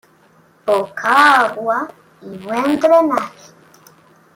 Poca agua y buen drenaje.